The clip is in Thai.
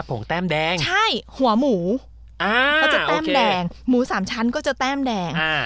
ผงแต้มแดงใช่หัวหมูอ่าก็จะแต้มแดงอ่าโอเคหมูสามชั้นก็จะแต้มแดงอ่า